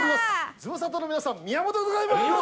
ズムサタの皆さん、宮本でございます。